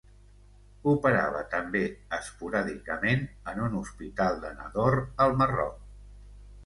Operava també esporàdicament en un hospital de Nador, al Marroc.